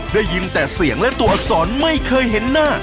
ได้ยินแต่เสียงและตัวอักษรไม่เคยเห็นหน้า